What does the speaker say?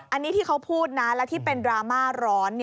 อันนี้ที่เขาพูดนะและที่เป็นดราม่าร้อน